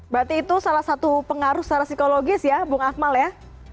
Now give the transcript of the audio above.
berarti itu salah satu pengaruh secara psikologis ya bung akmal ya